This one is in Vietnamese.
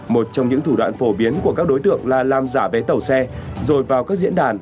một trong những thủ đoạn phổ biến của các đối tượng là làm giả vé tàu xe rồi vào các diễn đàn